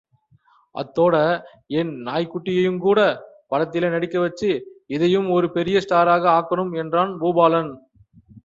அத்தோட என் நாய்க்குட்டியையுங் கூடப் படத்திலே நடிக்கவச்சு, இதையும் ஒரு பெரிய ஸ்டாராக ஆக்கனும்! என்றான் பூபாலன்.